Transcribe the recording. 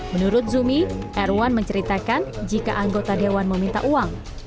menurut zumi erwan menceritakan jika anggota dewan meminta uang